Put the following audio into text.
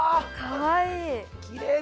かわいい。